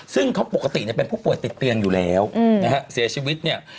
ซึ่งเขาปกติเนี่ยเป็นผู้ป่วยติดเตียงอยู่แล้วนะฮะเสียชีวิตเนี่ย